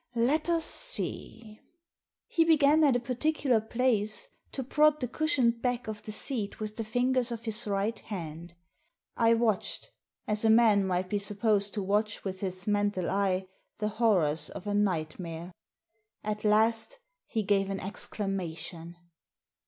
Let us see." He began at a particular place to prod the cushioned back of the seat with the fingers of his right hand. I watched, as a man might be sup posed to watch with his mental eye, the horrors of a nightmare. At last he gave an exclamation.